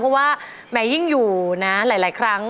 เพราะว่าแม้ยิ่งอยู่นะหลายครั้ง